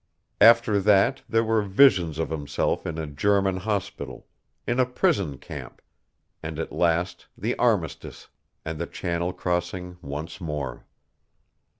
After that there were visions of himself in a German hospital, in a prison camp, and at last the armistice, and the Channel crossing once more.